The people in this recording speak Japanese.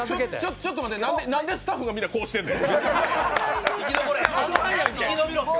ちょっと待って、なんでスタッフがみんなこうしてんねん。